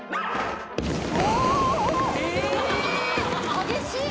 「激しい。